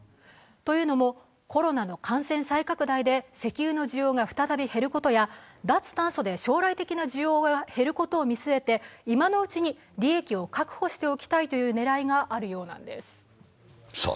というのもコロナの感染再拡大で石油の需要が再び減ることや脱炭素で将来的な需要が減ることを見据えて今のうちに利益を確保しておきたいという狙いがあるようなんです。